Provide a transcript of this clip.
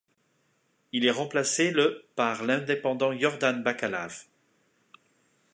Il est remplacé le par l'indépendant Yordan Bakalav.